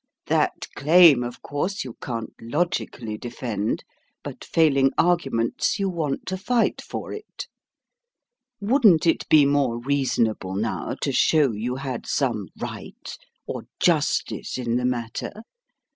That claim, of course, you can't logically defend; but failing arguments, you want to fight for it. Wouldn't it be more reasonable, now, to show you had some RIGHT or JUSTICE in the matter?